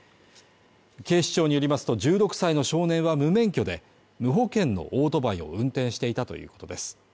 警視庁によりますと１６歳の少年は無免許で、無保険のオートバイを運転していたということです。